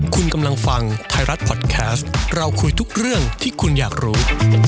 คุณกำลังฟังไทยรัฐพอดแคสต์เราคุยทุกเรื่องที่คุณอยากรู้